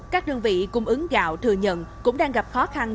các đơn vị cung ứng gạo thừa nhận cũng đang gặp khó khăn